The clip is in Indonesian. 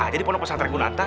jadi penuh kesatriaan gue nanti